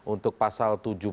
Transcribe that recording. untuk pasal tujuh puluh